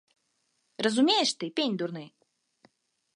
Разумееш ты, пень дурны?